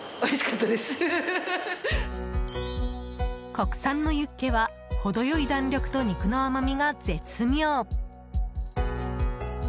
国産のユッケは程良い弾力と肉の甘みが絶妙。